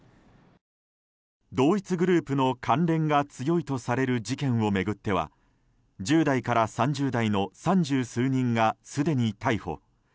同一グループの関連が強いとされる事件を巡っては１０代から３０代の三十数人がすでに逮捕。